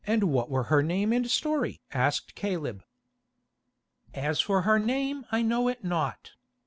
"What were her name and story?" asked Caleb. "As for her name I know it not.